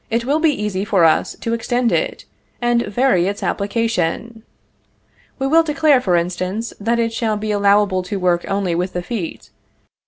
_ It will be easy for us to extend it, and vary its application. We will declare, for instance, that it shall be allowable to work only with the feet.